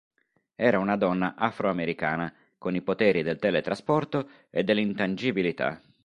Era una donna afro-americana, con i poteri del teletrasporto e dell'intangibilità.